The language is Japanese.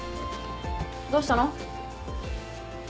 どうしたの？